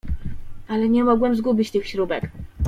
"Ale nie mogłem zgubić tych śrubek."